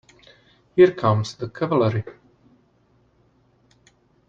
Here comes the cavalry.